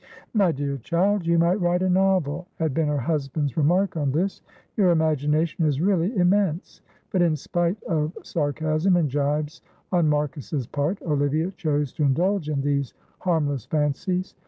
"My dear child, you might write a novel," had been her husband's remark on this. "Your imagination is really immense," but in spite of sarcasm and gibes on Marcus's part, Olivia chose to indulge in these harmless fancies.